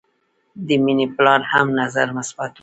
د مینې پلار هم نظر مثبت و